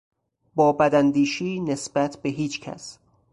با بداندیشی نسبت به هیچ کس